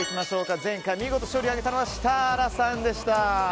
前回、見事勝利を挙げたのはシタラさんでした。